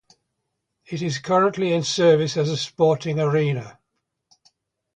It is currently in service as a sporting arena.